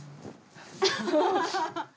ハハハハハ！